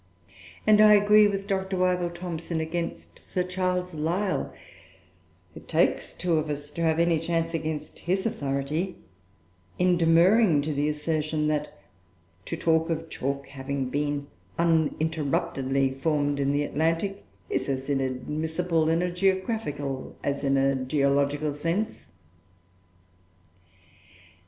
And I agree with Dr. Wyville Thomson against Sir Charles Lyell (it takes two of us to have any chance against his authority) in demurring to the assertion that "to talk of chalk having been uninterruptedly formed in the Atlantic is as inadmissible in a geographical as in a geological sense."